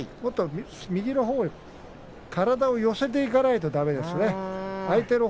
右のほうに、体を寄せていかないとだめですね。